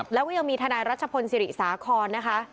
แล้วก็ยังมีทนายรัชพลศิริสาครนะคะ